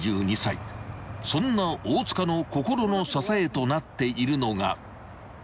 ［そんな大塚の心の支えとなっているのが］